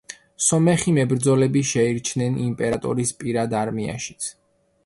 სომეხი მებრძოლები შეირჩნენ იმპერატორის პირად არმიაშიც.